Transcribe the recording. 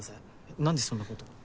なんでそんなことを？